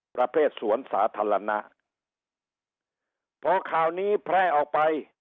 ประเภทสวนสาธารณะพอข่าวนี้แพร่ออกไป